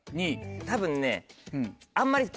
たぶんね。